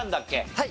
はい。